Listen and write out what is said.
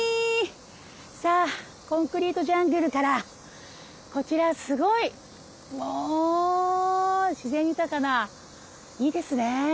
さあコンクリートジャングルからこちらすごいもう自然豊かないいですね。